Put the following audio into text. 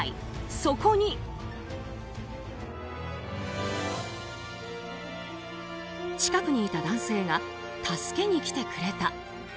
そこに、近くにいた男性が助けに来てくれた。